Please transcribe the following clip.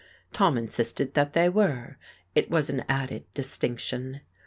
Tom insisted that they were; it was an added distinction.